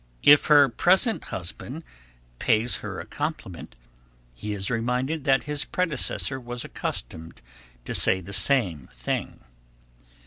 If her present husband pays her a compliment, he is reminded that his predecessor was accustomed to say the same thing.